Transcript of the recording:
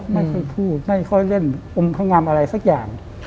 ไม่ค่อยพูดไม่ค่อยเล่นอมพงามอะไรสักอย่าง